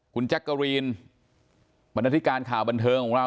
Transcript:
คุณแจ๊กกะรีนบรรณาธิการข่าวบันเทิงของเรา